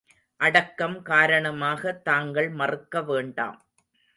அடக்கம் காரணமாக தாங்கள் மறுக்க வேண்டாம்.